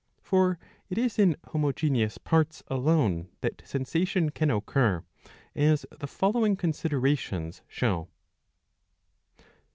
For it is in homogeneous parts alone that sensation can occur, as the following considerations show.